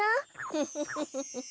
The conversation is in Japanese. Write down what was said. フフフフフ。